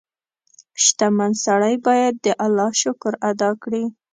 • شتمن سړی باید د الله شکر ادا کړي.